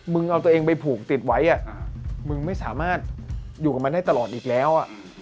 เอาตัวเองไปผูกติดไว้มึงไม่สามารถอยู่กับมันได้ตลอดอีกแล้ว